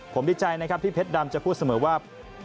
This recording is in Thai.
ผมดีใจนะครับที่เพชรดำจะพูดเสมอว่า